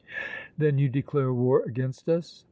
"Then you declare war against us?"